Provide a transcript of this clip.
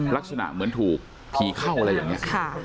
ลักษณะเหมือนถูกผีเข้าอะไรอย่างนี้